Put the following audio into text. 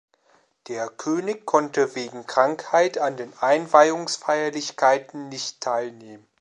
Der König konnte wegen Krankheit an den Einweihungsfeierlichkeiten nicht teilnehmen.